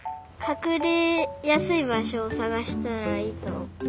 かくれやすいばしょをさがしたらいいと。